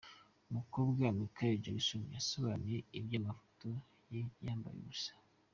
Umukobwa wa Micheal Jackson yasobanuye iby’amafoto ye yambaye ubusa.